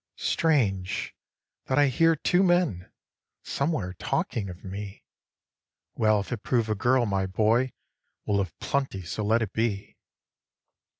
4. Strange, that I hear two men, Somewhere, talking of me; 'Well, if it prove a girl, my boy Will have plenty: so let it be.'